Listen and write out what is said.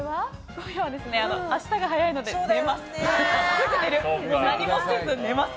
今夜は明日が速いので寝ます。